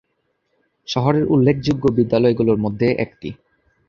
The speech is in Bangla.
শহরের উল্লেখযোগ্য বিদ্যালয়গুলোর মধ্যে একটি।